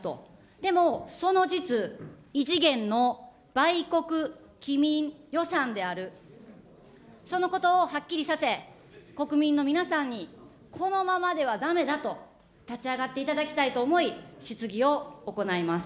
でも、その実、異次元の売国棄民予算である、そのことをはっきりさせ、国民の皆さんにこのままではだめだと、立ち上がっていただきたいと思い、質疑を行います。